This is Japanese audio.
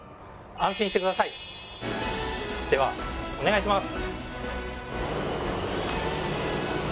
ではお願いします。